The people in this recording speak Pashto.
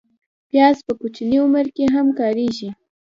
پیاز په کوچني عمر کې هم کارېږي